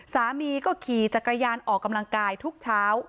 สามีก็ขี่จักรยานออกกำลังกายทุกเช้า